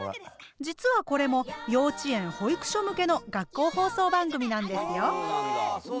実はこれも幼稚園・保育所向けの学校放送番組なんですよ。